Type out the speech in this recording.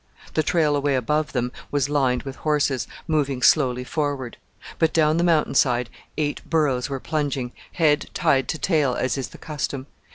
The trail away above them was lined with horses, moving slowly forward; but down the mountain side eight burroes were plunging head tied to tail as is the custom.